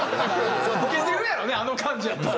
受けてるやろうねあの感じやったら。